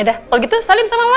ya dah kalau gitu salim sama mama